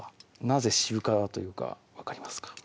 なぜ渋皮というか分かりますか？